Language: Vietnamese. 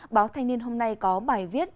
báo thanh niên hôm nay có bài viết